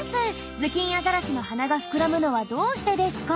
「ズキンアザラシの鼻が膨らむのはどうしてですか？」。